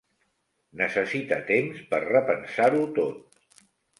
Necessita temps per repensar-ho tot.